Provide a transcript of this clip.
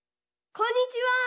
こんにちは！